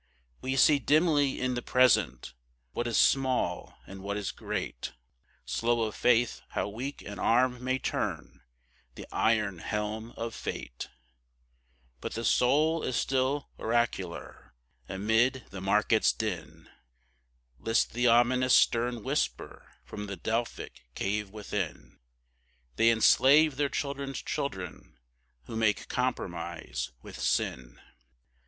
We see dimly in the Present what is small and what is great, Slow of faith how weak an arm may turn the iron helm of fate, But the soul is still oracular; amid the market's din, List the ominous stern whisper from the Delphic cave within,— 'They enslave their children's children who make compromise with sin.